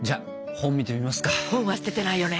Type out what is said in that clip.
本は捨ててないよね？